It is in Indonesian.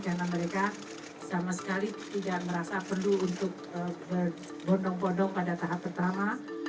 karena mereka sama sekali tidak merasa perlu untuk berbondong bondong pada tahap pertama